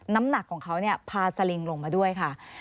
น้ำหนักของเขาพาสลิงลงมาด้วยค่ะ